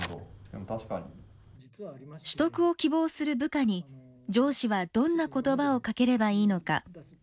取得を希望する部下に上司はどんな言葉をかければいいのか。